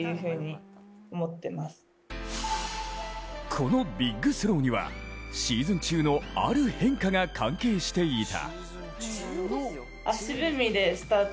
このビッグスローにはシーズン中のある変化が関係していた。